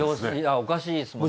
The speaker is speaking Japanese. おかしいですもんね。